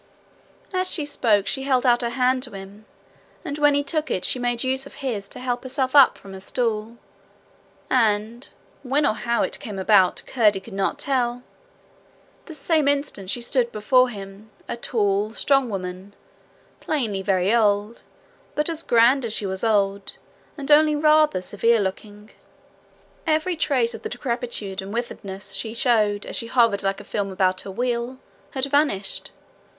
As she spoke she held out her hand to him, and when he took it she made use of his to help herself up from her stool, and when or how it came about, Curdie could not tell the same instant she stood before him a tall, strong woman plainly very old, but as grand as she was old, and only rather severe looking. Every trace of the decrepitude and witheredness she showed as she hovered like a film about her wheel, had vanished.